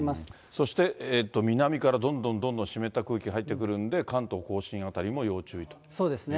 そして南からどんどんどんどん湿った空気入ってくるんで、関東甲信辺りも要注意ということですね。